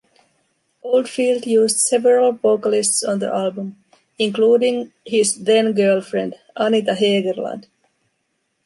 Oldfield used several vocalists on the album, including his then girlfriend, Anita Hegerland.